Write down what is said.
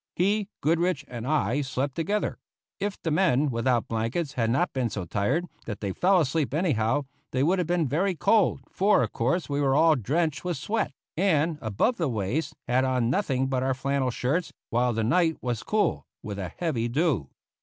He, Goodrich, and I slept together. If the men without blankets had not been so tired that they fell asleep anyhow, they would have been very cold, for, of course, we were all drenched with sweat, and above the waist had on nothing but our flannel shirts, while the night was cool, with a heavy dew.